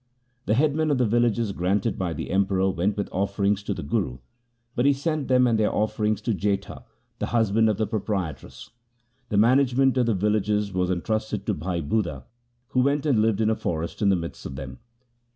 The headmen of the villages granted by the Emperor went with offerings to the Guru, but he sent them and their offerings to Jetha, the husband of the proprietress. The management of the villages was entrusted to Bhai Budha, who went and lived in a forest in the midst of them.